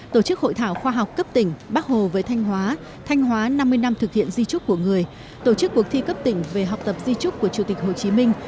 tổ chức hội thảo khoa học cấp tỉnh bắc hồ với thanh hóa thanh hóa năm mươi năm thực hiện di trúc của người tổ chức cuộc thi cấp tỉnh về học tập di trúc của chủ tịch hồ chí minh